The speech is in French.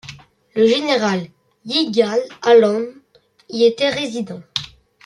Le général Yigal Allon y était résident.